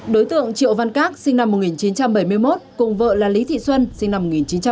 đối tượng triệu văn các sinh năm một nghìn chín trăm bảy mươi một cùng vợ là lý thị xuân sinh năm một nghìn chín trăm tám mươi